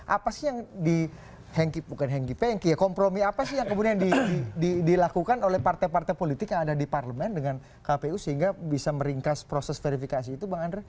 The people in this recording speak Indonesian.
apa sih yang di hengki bukan hengki pengki ya kompromi apa sih yang kemudian dilakukan oleh partai partai politik yang ada di parlemen dengan kpu sehingga bisa meringkas proses verifikasi itu bang andre